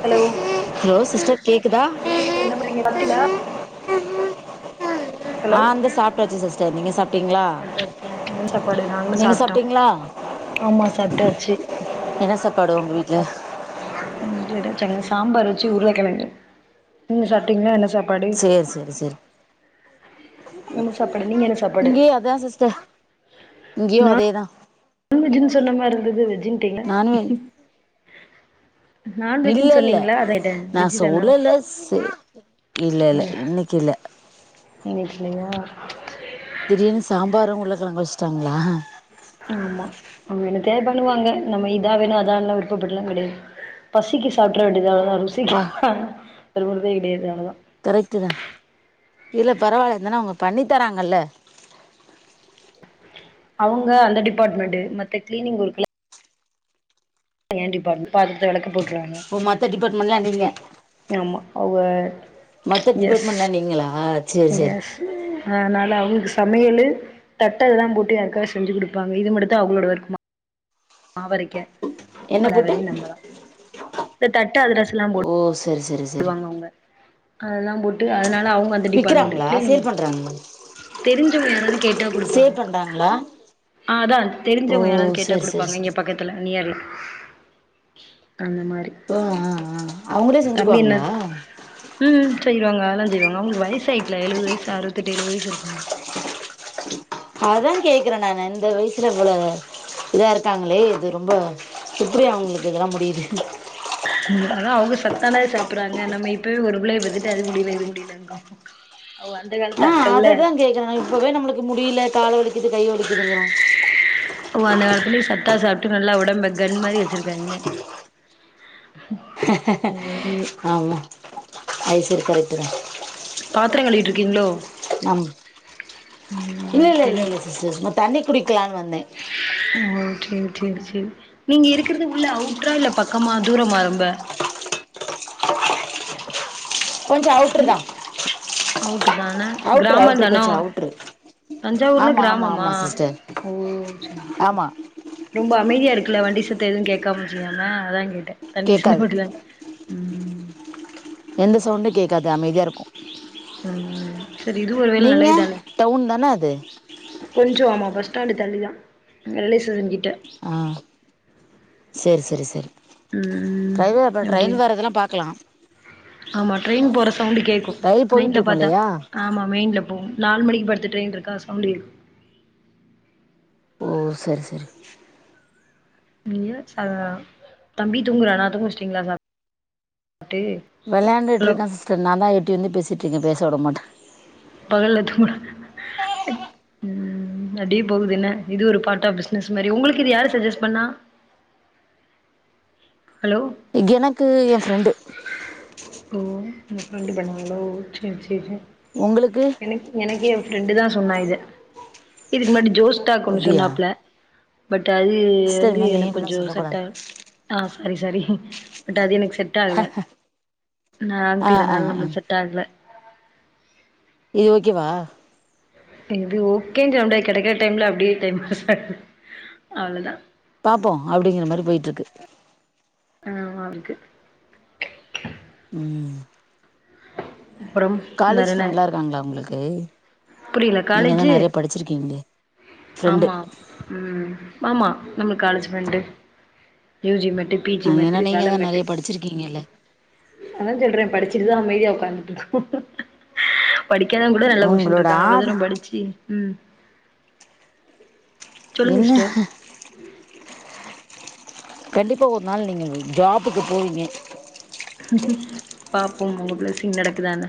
Hello hello sister கேக்குதா சொல்லுங்க sister என்ன பண்றீங்க சாப்ட்டீங்களா ஹலோ ஆ இந்தா சாப்டாச்சு சிஸ் டர் நீங்க சாப்ட்டீங்ளா சாப்ட்டாச்சா என்ன சாப்பாடு நாங்களு நீங்க சாப்ட்டோ சாப்ட்டீங்ளா ஆமா சாப்ட்டாச்சி என்ன சாப்பாடு ஒங்க வீட்ல சாம்பார் வச்சு உருளக்கெழங்கு நீங்க சாப்ட்டீங்ளா என்ன சாப் சேர் சேரி சேரி என்ன சாப்பாடு நீங்க என்ன சாப்பாடு இங்கேயு அதா சிஸ்டர் இங்கேயு அதேதா நான்வெஜ்ஜுன்னு சொன்ன மாரி இருந்தது வெஜ்ஜுன்டீங்க நானு இல்ல இல்ல சொன்னீங்களா அதா கேட்டே நா வெஜ்ஜு தானா சொல்லல சு இல்ல இல்ல இன்னைக்கில்ல இன்னைக்கில்லயா திடீர்னு சாம்பாரு உருளகெழங்கு வச்சுட்டாங்ளா ம் ஆமா அவுங்க என்னத்தயாது பண்ணுவாங்க நம்ம இதா வேணு அதா வேணு விருப்பப்பட்டுலா கெடையாது பசிக்கு சாப்பிட்ற வேண்டியதா அவ்ளதா ருசிக்கு ப்பா [unintelligible] கரெக்ட்டுதா இல்ல பரவால்ல இருந்தாலு அவுங்க பண்ணி தராங்கல அவுங்க அந்த டிபாட்மெண்ட்டு மத்த க்ளீனி்ங் ஒர்க்ல்லா ஏ டிபாட்மென்ட் பாத்திரத்த வெலக்க போட்டுருவாங்க ஓ மத்த டிபார்ட்மெண்ட்லா நீங்க ஆமா அவுக மத்த டிபாட்மெண்ட்லா நீங்களா சேரி சேரி அதனால அவங்களுக்கு சமையலு தட்ட இதுல்லா போட்டு யாருக்காது செஞ்சு குடுப்பாங்க இது மட்டுந்தா அவுகளோட ஒர்க் மாவரைக்க என்ன எல்லா புட்டு வேலையு நம்பதா இந்த தட்ட அதிரசலா ஓ செரி செரி பண்ணுவாங்க அவுங்க அதெல்லாம் போட்டு அதனால அவுங்க இந்த டிபாட்மெண்ட் விக்கிறாங்களா கிளினிங் சேல் பண்றாங்களா தெரிஞ்சவங்க யாராவது கேட்டா குடுப்பாங்க சேல் பண்றாங்களா ஆ அதா ஓ தெரிஞ்சவங்க யாராவது கேட்டா சரி சரி குடுப்பாங்க சரி இங்க பக்கத் த்துல நியர்ல அந்த மாரி போ ஆ ஆ அவங்களே செஞ்சு நீ என்னது ம் செய்வாங்க அதெலாஞ்செய்வாங்க அவுங்களுக்கு வயசாயிட்டுல எழுவது வயசு அறுபத்த எட்டு எழுவது வயசு இருக்குல அதா கேக்குற நானு இந்த வயசுல இவ்ளோ இதா இருக்காங்களே இது ரொம்போ எப்டி அவங்களுக்கு இதெல்லா முடியுது அதா அவங்க சத்தானது சாப்றாங்க நம்ம இப்பவே ஒரு புள்ளைய பெத்துட்டு அது முடியல இது முடியலங்கோ அவக அந்த காலத்து ஆட்கள்ல அதுதா கேக்குற இப்பவே நம்மளுக்கு முடியல காலு வலிக்குது கை வலிக்குதுங்கிறோ ஓ அந்த காலத்திலயே சத்தா சாப்ட்டு நல்லா உடம்ப கன் மாரி வச்சிருக்காய்ங்க ஐயய்யோ ஆமா அது சரி கரெக்ட் தா பாத்திர கழுவிட்டு இருக்கீங்ளோ ஆ இல்ல இல்ல இல்ல தெரியு இல்ல சிஸ்டர் தண்ணி குடிக்கலான் வந்த ஓகே ஓகே செரி நீங்க இருக்குறது உள்ள அவுட்ரா இல்ல பக்கமா தூரமா ரொம்ப கொஞ்சோ அவுட்ரு தா ம் அவுட்ரு தான அவுட்ரு அவுட்ரு கிராமந்தானோ கொஞ்சோ அவுட்ரு தஞ்சாவூர்ல ஆமா ஆமா கிராமமா ஆமா சிஸ்டர் ஓ செரி செரி ஆமா செரி ரொம்ப அமைதியா இருக்குல வண்டி சத்த எதுவு கேக்காம செய்யாம அதா கேட்ட தண்ணி கேக்காது சின்னப்பட்ல ம் எந்த சவுண்டு கேக்காது அமைதியா இருக்கு ம் சரி இதுவு ஒரு வகைல நீங்க நல்லதுதானே டவுன் தானே அது கொஞ்ச ஆமா பஸ் ஸ்டாண்டு தள்ளி தா [unintelligible] கிட்ட ஆ செரி செரி செரி ம் ட்ரைவா அப்போ அப்படி ட்ரெயின் வரதெல்லா பாக்லா ஆமா ட்ரெயின் போற சவுண்ட் கேக்கு ரயில் நைட்ல போயிட்டுருக்கும் பாத்தா இல்லையா ஆமா மெயின்ல போகு நாலு மணிக்கு பத்து ட்ரெயின் இருக்கா சவுண்ட் கேக்கு ஓ சரி சரி நீங்க ச தம்பி தூங்குறனா தூங்க வச்சிட்டீங்ளா சா சாப்ட்டு வெளாண்டுட்ருக்கா சிஸ்டர் நா தா எட்டி வந்து பேசிட்ருக்க பேச விட மாட்டா பகல்ல தூங்குறா ம் அப்டியே போகுதுன இது ஒரு பார்ட் ஆஃப் பிஸ்னஸ் மாரி உங்களுக்கு இது யாரு சஜெஸ் பண்ணா ஹலோ எனக்கு எ ஃப்ரெண்டு ஓ உங்க பிரெண்ட் பண்ணங்களோ செர் செர் செர் உங்களுக்கு எனக்கு எனக்கே என ஃப்ரெண்டு தா சொன்னா இத இதுக்கு முன்னாடி ஜோஸ்டாக் ஒன்னு அப்படியா சொன்னாப்ல பட் அது சிஸ்டர் இது வந்து மாதிரி எனக்கு நேம்லாம் கொஞ்சோ சொல்லக்கூடாது செட்டா ஆ சாரி சாரி பட் அது எனக்கு செட் செட் ஆகல நா ஆ வந்ட்டு ஆ இதனால ம் நம்மளுக்கு செட் ஆகல இது ஓகேவா இது ஓகேன் [unintelligible] கெடைக்கிற டைம்ல அப்டியே டைம் பாஸ் ஆகுது அவ்ளோதா பாப்போ அப்டிங்ற மாரி போயிட்ருக்கு ஆமா அதுக்கு ம் அப்றம் காலேஜ் வேறன்ன ஃப்ரெண்ட்லாம் இருக்காங்களா உங்களுக்கு புரில நீங்கள் காலேஜு தான் நிறைய படிச்சிருக்கீங்களே ஃப்ரெண்டு ஆமா ம் ஆமா நம்ம college friend UG mate PG mate ஏன்னா வேல நீங்கள் தான் மேட்டு நிறைய படிச்சிருக்கீங்கல்ல அதா சொல்றே படிச்சிட்டுதா அமைதியா உக்காந்துட்டு இருக்கோ படிக்காதவங் கூட நல்ல பொசிஷன் ல உங்களோட இருக்காங்க இவ்ளோ ஆத தூரோ படிச்சு ம் சொல்லுங்க என்ன சிஸ்டர் ஹ கண்டிப்பா ஒரு நாள் நீங்க ஜாபுக்கு போவீங்க பாப்போ உங்க ப்ளஸ்ஸிங் நடக்குதானு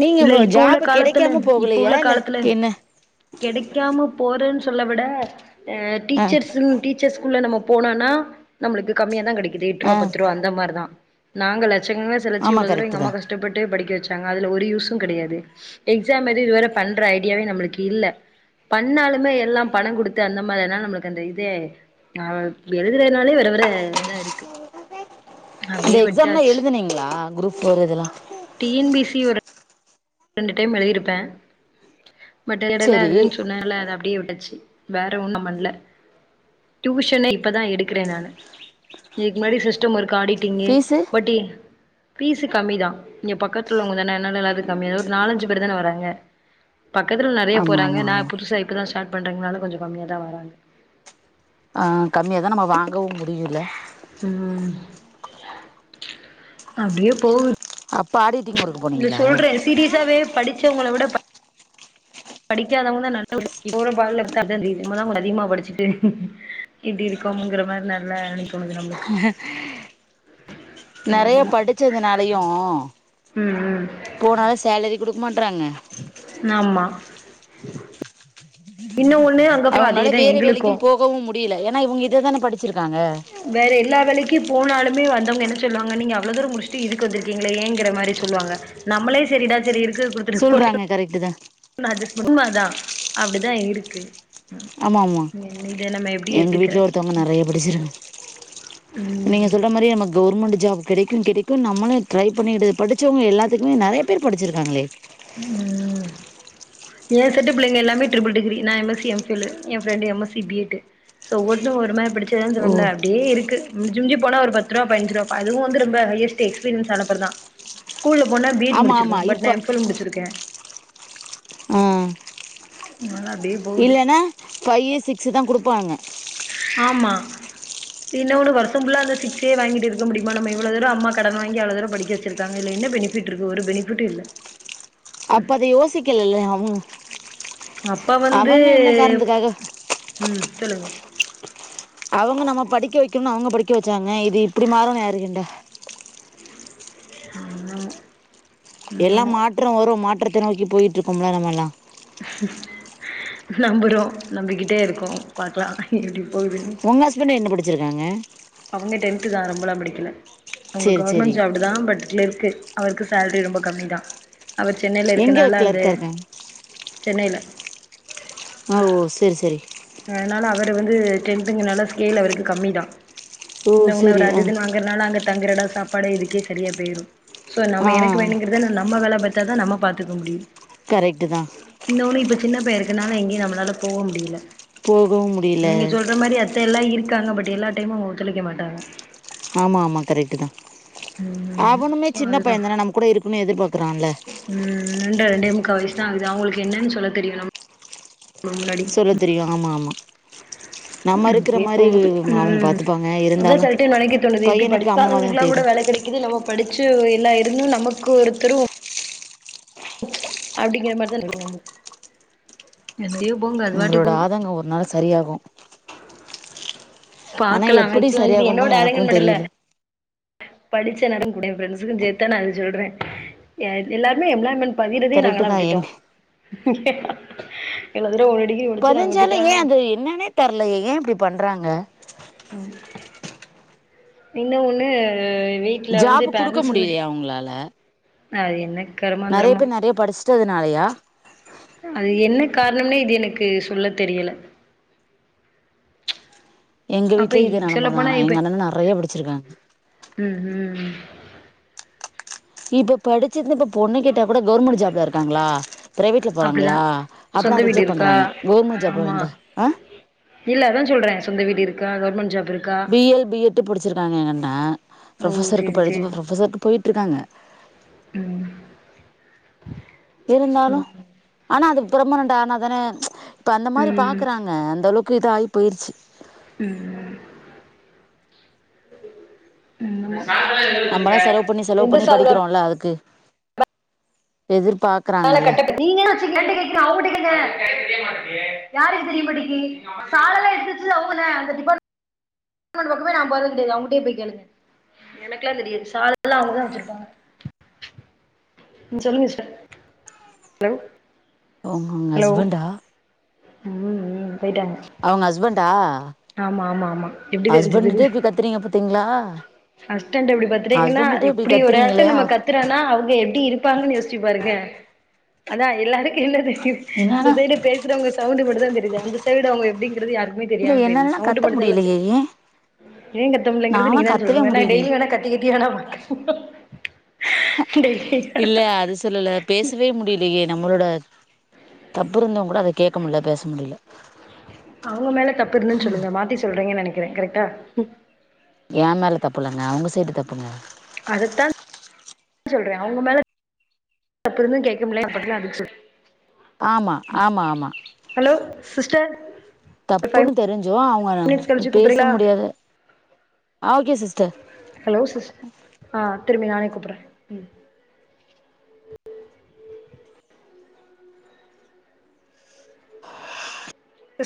நீங்க இல்ல இப்ப உள்ள ஜாப் காலத்துல கெடைக்காம இப்ப போகலையா உள்ள இல்ல காலத்துல என்ன கிடைக்காம போறேன்னு சொல்ல விட அ ஆ டீச்சர்ஸ்ன் டீச்சர்ஸ்குள்ள நம்ம போனன்னா நம்மளுக்கு கம்மியா தா கிடைக்குது எட்டு ஆ ரூபா பத்து ரூபா அந்த மாரி தா நாங்க லட்சங்க ஓத்துலச்சி ஆமா இவ்ளோ தூரோ கரெக்ட் எங்கம்மா தான் கஷ்டப்பட்டு படிக்க வச்சாங்க அதுல ஒரு யூஸ் கெடையாது எக்ஸாம் எது இதுவரை பண்ற ஐடியாவே நம்மளுக்கு இல்ல பண்ணாலுமே எல்லா பணோ குடுத்து அந்த மாரினா நம்மளுக் அந்த இதே ஆ எழுதுலனாலே வர வர இதா இருக்கு இந்த அப்டியே எக்ஸாம்லா விட்டாச்சு எழுதுனீங்களா குரூப் போர் இதல்லா டி என் பி சி ஒரு ரெண்டு டைம் எழுதிருப்ப பட் எடைல சரி அதுன்னு சொ இன்னல அத அப்டியே விட்டாச்சு வேற ஒண்ணு பண்ல டியூசன்னே இப்பதா எடுக்ற நானு இதுக்கு முன்னாடி சிஸ்டம் ஒர்க் ஆடி டிங்கு ஃபீஸு பட்டி பீஸ் கம்மி தா இங்க பக்கத்துல்வங்க தா அன்னால அதுக் கம்மியோ ஒரு நாலஞ்சு பேர் தான வராங்க பக்கத்ல நறைய ஆமா போறாங்க ஆமா நா ஆமா புதுசா இப் இப்பத ஸ்டார்ட் பண்றங்னால கொஞ்சோ கம்மியா தா வாராங்க ஆ கம்மியாக தா நம்ம வாங்கவு முடியில ம் அப்டியே போகுது அப்ப ஆடிட்டிங் ஒர்க் போனீங்களா சீரியஸாவே படிச்சவங்கள விட ப படிக்காதவுங் தா நல்ல [unintelligible] நம்ம கொஞ்ஜோ அதிகமா படிச்சிட்டு இப்டி இருக்கும்ங்கிற மாரி நல்லா நிக் நறைய படிச்சதுனாலயு ம் ம் போனாலு சேலரி குடுக்மாட்றாங்க ஆமா இன்னு ஒல் அவங்கனால்ல வேரே வேலைக்கு போகவு முடில ஏன்னா இவங்க இததான படிச்சிருக்காங்க வேற எல்லா வேலைக்கு போனாலுமே வந்தவங்க என்ன சொல்லுவாங்க நீங்க அவ்ளோ தூரோ முடிச்சிட்டு இதுக்கு வந்திருக்கீங்களே ஏங்ற மாரி சொல்லுவாங்க நம்மளே சரிடா சரி இருக் சொல்றாங்க கரட்டுதா நா அட்ஜஸ் பண் உண்ம அதா அப்டிதா இருக்கு ஆமாம்மா என்ன இத நம்ம எப்டி எங்க ஏத்துக்க வீட்லயு ஒருத்தவங்க நறைய படிச்சிருக் நீங்க ம் சொல்ற மாரி நமக் கவுர்மண்ட் ஜாப் கிடைக்கு கிடைக்கு நம்மளு ட்ரை பண்ணிடு படிச்சவங்க எல்லாத்துக்குமே நறைய பேர் படிச்சிருக்காங்களே ம் என் செட்டு பிள்ளைங்க எல்லாமே ட்ரிபிள் டிகிரி நா M S C M phil லு ஏ friend M S C B ed so ஒவ்வொருத்தரு ஒருமாதிரி படிச்சோ அதா சொல்ல ஓ முல்ல அப்டியே இருக்கு மிஞ்சி மிஞ்சி போனா ஒரு பத்துரூபா பதினஞ்சுரூபா அதுவு வந்து ரொம்ப ஹையஸ்ட் எக்ஸ்பீரியன்ஸ் ஆன அப்றதா ஸ்கூல்ல போனா பி எட் ஆமா ஆமா முடிச்சிருக்குனு பட் இப்ப நா எம் பில் முடிச்சிருக்கே ஆ நால்லா அப்டியே போகுது இல்லன்னா ஃபை சிக்ஸ் தா குடுப்பாங்க ஆமா இன்னொன்னு வர்ஷம் ஃபுல்லா அந்த சிக்சே வாங்கிட்டு இருக்க முடிமா நம்ம இவ்ளோ துரோ அம்மா கடன் வாங்கி அவ்ளோ துரோ படிக்கவச்சிருக் காங்க இதுல என்ன பெனிபிட் இருக்கு ஒரு பெனிபிட்டு இல்ல அப்ப அது யோசிக்லல்ல அவுங் அப்ப வந்து காரணத்துக்காக ம் சொல்லுங்க அவுங்க நம்ம படிக்க வைக்கணு அவுங்க படிக்க வெச்சாங்க இது இப்டி மாருனு யாருகண்டா ஆ எல்லா மாற்ற வரு மாற்றத்த நோக்கி பொயிட்ருக்கோம்ல நம்மலா நம்புறோ நம்பிக்கிட்டே இருக்கோ பாக்லா எப்டி போதுனு ஒங்க ஹஸ்பண்டு என்ன படிச்சிருக்காங்க அவுங்க டென்த்து தா ரொம்பளா படிக்ல அவுங்க சேரி சேரி கவர்மெண்ட் ஜாப் தா பட் கிளர்க்கு அவுர்க்கு சேல்ரி ரொம்ப கம்மி தா அவர் சென்னைல எங்க இருக்கனால அந்த கிளர்க்கா இருக்காங்க சென்னைல ஓ ஓ செரி செரி அதனால அவரு வந்து டென்த்துங்கிறனால ஸ்கேல் அவருக்கு கம்மி தா ஓ இன்னொன்னு சரி அவுரு ஆ அது இதுன்னு வாங் றனால அங்க தங்ற எடோ சாப்பாடு இதுக்கே சரியா பொயிரு சோ ஆ நம்ம எனக்கு வேணுங்கறத நா நம்ம வேல பாத்து த்தா தா நம்ம பாத்துக்க முடியு கரெக்ட்டு தா இன்னொன்னு இப்ப சின்னப் பைய இருக்குறனால எங்கேயு நம்மளால போக முடியில போதும் நீங்க சொல்ற மாரி அத்தெல்லா இருக்காங்க பட் எல்லா டைமு அவுங்க ஒத்துழைக்க மாட்டாங்க ஆமா ஆமா கரெக்ட்டு தா ம் அவனுமே சோ சின்னப் அதுதா பைய தானே நம்ம கூட இருக்குனுன் எதிர்பாக்றால ம் ரெண்ர ரெண்டே முக்கா வயசு தா ஆகுது அவுங்ளுக்கு என்னென் சொல்லத் தெரினும் முன்னாடி சொல்லத் தெரியு ஆமா ஆமா நம்ம இருக்கிற இப்டியே மாதிரி போகுது அவங்க ம் பார்த்துப்பாங்க அதா இருந்தாலும் சொல்ட்டே நெனைக்க தோணுது இப்டி பையனுக்கு அம்மாவாக தான் படிக்காதவங்களுக்கெல்லா கூட தேடும் வேல கெடைக்கிது நம்ம படிச்ச எல்லா இருந்தும் நமக்கு ஒருத்தரு அப்பிடிங்கற மாரி தா திட்டுவாங்க என்னத்தியோ ஒங்களோட ஆதங்கோ ஒரு நாள் சரியாகு ஆனால் பாக்லாம் எப்படி ஆக்சுலா இது சரியாகும்னு என்னோட தான் ஆதங்கோ எனக்கும் மட்டு இல்ல தெரியல படிச்ச எல்லாரு கூட ஏ ஃப்ரண்ட்ஸ்க்கு சேத்து தா நா அது சொல்றே எ எல்லாருமே எம்பிளாய்மெண்ட் பகிறதே கரெக்டு நாங்கெல்லா தான் விட்டுட்டோ எங்க எல்லாத்தோட ஒரு டிகிரி முடிச்சற்ராங்க விட்டுட்டா என்னான்னே தெர்லயே ஏ இப்டி பண்றாங்க ம் இன்ன ஒன்னு வீட் ஜாபு குடுக்க முடிலையா அவுங்ளால அது என்ன நெறைய கருமாந்திரமோ பேர் நெறைய படிச்சிட்டதுனாலயா அது என்ன காரணம்னே இது எனக்கு சொல்லத் தெரியல எங்க அப்ப வீட்லயு இதே நெலம தா சொல்லப்போனா ஆனா இப்ப எங்க அண்ணனு நெறைய படிச்சிருக்காங்க ம் ம் ம் இப்ப படிச்சிருந்து இப்ப பொண்ணு கேட்டா கூட கவர்மெண்ட் ஜாப்ல இருக்காங்களா பிரைவேட்ல அப்டிதா போறாங்களா அப்பனா சொந்த வீடு ரிஜெக்ட் இருக்கா பண்றாங்க கவுர்மெண்ட் ஆமா ஜாப்லந்தா ஆ இல்ல அதா சொல்றே சொந்த வீடு இருக்கா கவர்மெண்ட் ஜாப் இருக் பி எல் பி எட்டு படிச்சிருக்காங்க எங்கண்ணா ஓ ப்ரொஃபசர்க்கு சேரி படிச்சு சேரி இப்ப ப்ரொஃபஸர்க்கு போயிட்ருக்காங்க ம் இருந்தாலு ம் ஆனா அது பர்மனண்ட் ஆனா தானே இப்ப அந்த மாரி ம் பாக்கறாங்க அந்த அளவுக் க்கு இதாகி போயிருச்சு ம் ம் ம் [inaudible] நம்மலா வச்சிருக்க? செலவு பண்ணி செலவு எந்த பண்ணி சால்வா படிக்கிறோல்ல அதுக்கு எதிர்பார்க் மேல கட்ட நீங்க என்ன வச்சுக்க ரெண்டு கேக்குறேன் அவங்ககிட்ட கேக்குறேன் எனக்கு தெரிய மாட்டேங்குது. யாருக்கு தெரிய மாட்டேங்கி சாலெல்லாம் எடுத்து வச்சு அவங்க அந்த டிபார்ட்மெண்ட் பக்கமே நான் போறது கிடையாது அவங்ககிட்டயே போய் கேளுங்க எனக்கெல்லாம் தெரியாது சாலெல்லாம் அவங்க தான் வச்சிருப்பாங்க ம் சொல்லுங்க சிஸ்டர் ஹலோ அவுங்க உங்க ஹலோ ஹஸ்பண்டா ம் ம் போயிட்டாங்க அவுங்க ஹஸ்பண்டா ஆமா ஆமா ஆமா எப்பிடி தெரிஞ்சது ஹஸ்பண்டுட்டே இப்படி கத்துறீங்க பாத்தீங்களா அஸ்டண்ட்டு எப்டி பத்துடேங்குன்னா ஹஸ்பண்ட்கிட்டயே இப்டி எப்பிடி ஒரேயாட்ட கத்துறீங்களே நம்ம க அவர் கத்துறேனா அவுங்க எப்டி இருப்பாங்கன்னு யோசிச்சு பாருங்க அதா எல்லாருக் என்னது இந்த என்னன்னா சைடு பேசுறவங்க சவுண்ட் மட்டு தா தெரியுது அந்த சைடு அவுங்க எப்பிடிங்கறது யாருக்குமே இல்ல தெரியாது என்னாலல்லா சவுண்ட் கத்த மட்டுதான்ல முடியலையே ஏ [unintelligible] ஏ கத்த முல்லைங்கிறது நாலா நீங்க தா கத்தவே சொல்னு ஏன்னா டெய்லி முடியலையே வேணா கத்தி கத்தி வேணா பாக்க இல்ல அது சொல்லல்ல பேசவே முடியலையே நம்மளோட தப்புருந்தும் கூட அத கேட்க முல்ல பேச முடியல அவுங்க மேல தப்பு இருத்துன் சொல்லுங்க மாத்தி சொல்றீங்கன்னு நெனைக்கிறே கரெக்டா ஏ மேல தப்புலங்க அவங்க சைடு தப்புங்க அதத்தா சொல்றே அவுங்க மேல [unintelligible] ஆமா ஆமா ஆமா ஹலோ சிஸ்டர் ஒரு ஃபைவ் தப்புன்னு தெரிஞ்சு மினிட்ஸ் அவுங்க கழிச்சு பேச கூப்பறீங்களா முடியாது ஓகே சிஸ்டர் ஹலோ சிஸ் ஆஹ் திரும்பியு நானே கூப்பிறே